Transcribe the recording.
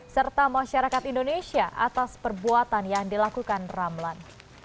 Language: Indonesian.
serta masyarakat indonesia atas perbuatan yang dilakukan ramlan